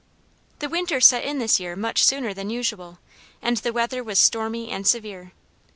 "The winter set in this year much sooner than usual, and the weather was stormy and severe.